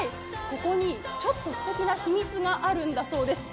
ここにちょっとすてきな秘密があるんだそうです。